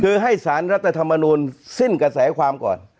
คือให้สารรัฐธรรมนูลสิ้นกระแสความก่อน